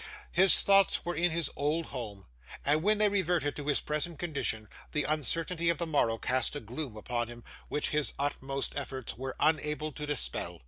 His thoughts were in his old home, and when they reverted to his present condition, the uncertainty of the morrow cast a gloom upon him, which his utmost efforts were unable to dispel.